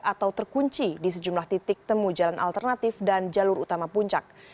atau terkunci di sejumlah titik temu jalan alternatif dan jalur utama puncak